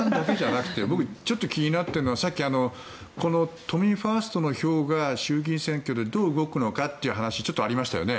僕ちょっと気になっているのはこの都民ファーストの票が衆議院選挙でどう動くのかって話がありましたよね。